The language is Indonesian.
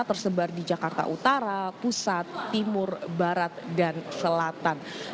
tersebar di jakarta utara pusat timur barat dan selatan